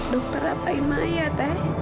dokter ngapain maya tete